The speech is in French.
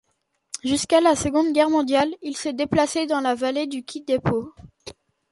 Jusqu'à la Seconde Guerre mondiale, ils se déplaçaient dans la vallée du Kidepo.